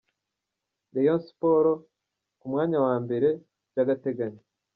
Reyo Siporo ku mwanya wa mbere by’agateganyo